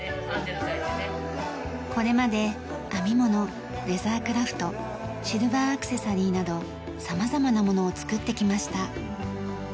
これまで編み物レザークラフトシルバーアクセサリーなど様々なものを作ってきました。